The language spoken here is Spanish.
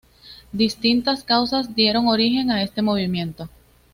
Distintas causas dieron origen a este movimiento.